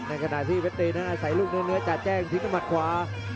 ในขณะที่เผ็ดตีน่าใส่ลูกเนื้อจะแจ้งทิศมัติขวา